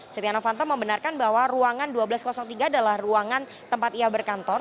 setia novanto membenarkan bahwa ruangan dua belas tiga adalah ruangan tempat ia berkantor